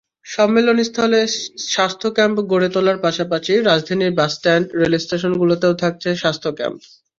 সম্মেলনস্থলে স্বাস্থ্য ক্যাম্প গড়ে তোলার পাশাপাশি রাজধানীর বাসস্ট্যান্ড, রেলস্টেশনগুলোতেও থাকছে স্বাস্থ্য ক্যাম্প।